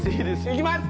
いきます。